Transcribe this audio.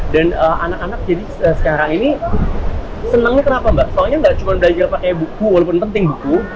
dan anak anak jadi sekarang ini senangnya kenapa mbak soalnya nggak cuma belajar pakai buku walaupun penting buku